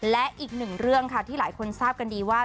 และอีกหนึ่งเรื่องค่ะที่หลายคนทราบกันดีว่า